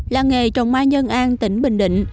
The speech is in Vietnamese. làng nghề trồng mai nhân an tỉnh bình định